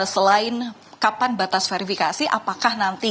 selain kapan batas verifikasi apakah nanti